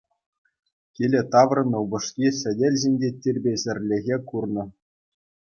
Киле таврӑннӑ упӑшки сӗтел ҫинчи тирпейсӗрлӗхе курнӑ.